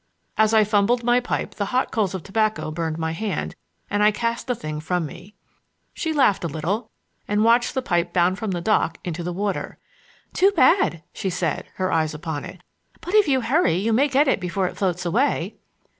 As I fumbled my pipe the hot coals of tobacco burned my hand and I cast the thing from me. She laughed a little and watched the pipe bound from the dock into the water. "Too bad!" she said, her eyes upon it; "but if you hurry you may get it before it floats away."